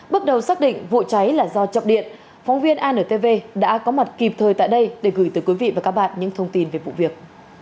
bước đầu xác định vụ cháy là do chập điện phóng viên antv đã có mặt kịp thời tại đây để gửi tới quý vị và các bạn những thông tin về vụ việc